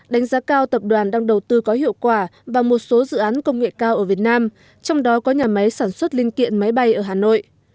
đánh giá cao tập đoàn đang đầu tư có hiệu quả và một số dự án công nghệ cao ở việt nam trong đó có nhà máy sản xuất linh kiện máy bay ở hà nội